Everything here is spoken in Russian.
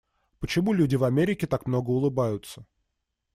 Почему люди в Америке так много улыбаются?